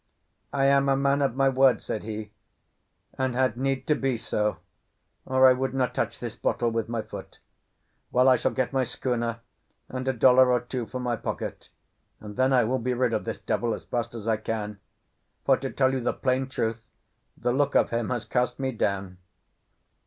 "I am a man of my word," said he, "and had need to be so, or I would not touch this bottle with my foot. Well, I shall get my schooner and a dollar or two for my pocket; and then I will be rid of this devil as fast as I can. For to tell you the plain truth, the look of him has cast me down."